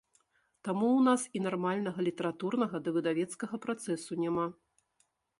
Таму ў нас і нармальнага літаратурнага ды выдавецкага працэсу няма.